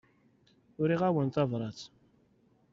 Uriɣ-awent tabrat.